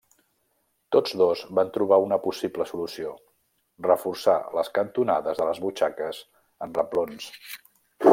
Tots dos van trobar una possible solució: reforçar les cantonades de les butxaques amb reblons.